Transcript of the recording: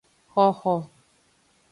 Xoxo.